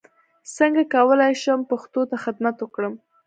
څنګه کولای شم پښتو ته خدمت وکړم